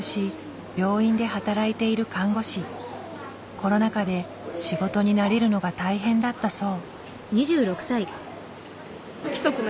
コロナ禍で仕事に慣れるのが大変だったそう。